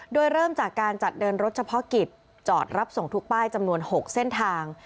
โดยเริ่มจากการจัดเดินรถเฉพาะกิจจอดรับส่งทุกป้ายจำนวน๖เส้นทาง